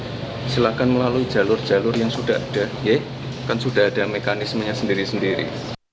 nah silakan melalui jalur jalur yang sudah ada kan sudah ada mekanismenya sendiri sendiri